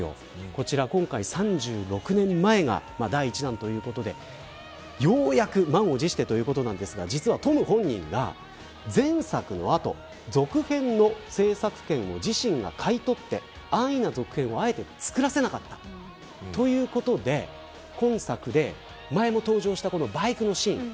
こちら今回３６年前が第１段ということでようやく満を持してということなんですが実は、トム本人が前作の後続編の製作権を自身が買い取って安易な続編をあえて作らせなかったということで今作出前も登場したバイクのシーン